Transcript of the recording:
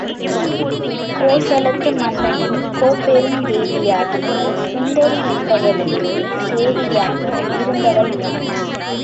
கோசலத்து மன்னனின் கோப்பெருந் தேவியாகிய சுந்தரி என்பவளுக்குச் சேடியாக இருந்தவள் யான்.